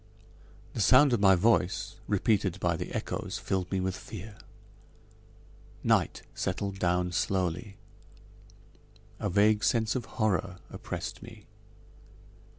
The sound of my voice, repeated by the echoes, filled me with fear. Night settled down slowly. A vague sense of horror oppressed me.